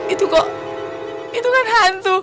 itu kok itu kan hantu